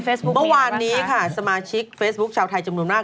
เมื่อวานนี้ค่ะสมาชิกเฟซบุ๊คชาวไทยจำนวนมาก